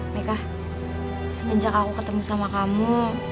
mereka semenjak aku ketemu sama kamu